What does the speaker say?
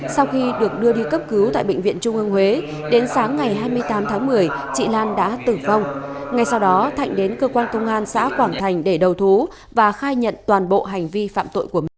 sau khi được đưa đi cấp cứu tại bệnh viện trung ương huế đến sáng ngày hai mươi tám tháng một mươi chị lan đã tử vong ngay sau đó thạnh đến cơ quan công an xã quảng thành để đầu thú và khai nhận toàn bộ hành vi phạm tội của mình